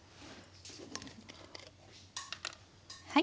はい。